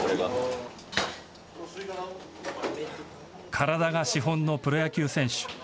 体が資本のプロ野球選手。